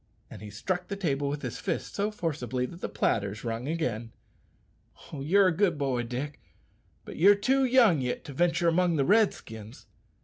And he struck the table with his fist so forcibly that the platters rung again. "You're a good boy, Dick; but you're too young yit to ventur' among the Redskins."